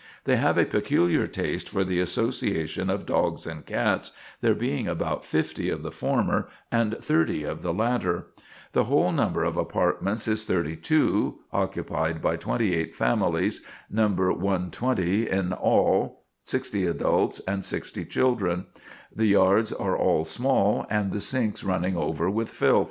They have a peculiar taste for the association of dogs and cats, there being about 50 of the former and 30 of the latter. The whole number of apartments is 32, occupied by 28 families, number 120 in all, 60 adults and 60 children. The yards are all small, and the sinks running over with filth."